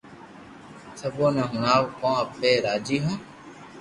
سبي ني ھڻاوُ ڪو اپي راجي ھون